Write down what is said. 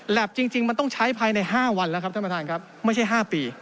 จริงมันต้องใช้ภายใน๕วันแล้วครับท่านประธานครับไม่ใช่๕ปี